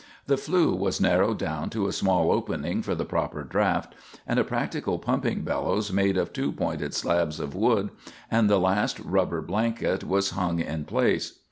The flue was narrowed down to a small opening for the proper draft, and a practical pumping bellows, made of two pointed slabs of wood and the last rubber blanket, was hung in place.